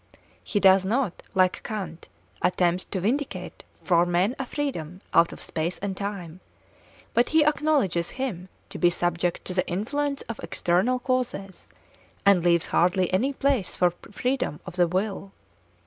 He does not, like Kant, attempt to vindicate for men a freedom out of space and time; but he acknowledges him to be subject to the influence of external causes, and leaves hardly any place for freedom of the will.